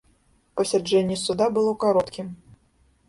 Пасяджэнне суда было кароткім.